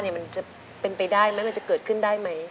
มันจะเป็นไปได้ไหมมันจะเกิดขึ้นได้ไหม